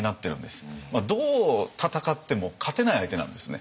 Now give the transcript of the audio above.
どう戦っても勝てない相手なんですね。